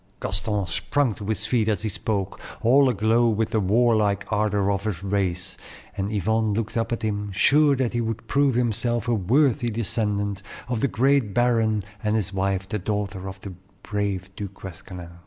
Gaston sprung to his feet as he spoke, all aglow with the warlike ardor of his race, and Yvonne looked up at him, sure that he would prove himself a worthy descendant of the great baron and his wife, the daughter of the brave Du Guesclin.